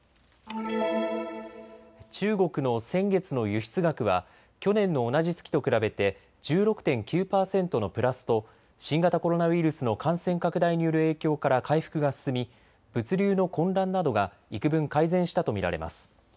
中国の先月の輸出額は去年の同じ月と比べて１６．９％のプラスと新型コロナウイルスの感染拡大による影響から回復が進み物流の混乱などがいくぶん改善したと見られます。